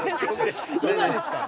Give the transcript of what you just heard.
今ですか？